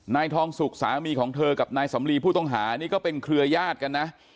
นายทองสุกสามีของเธอกับนายสำลีผู้ต้องหานี่ก็เป็นเครือญาติกันนะ